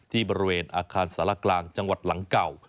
ที่บริเวณอาคารสารกลางจังหวัดหลังเก่า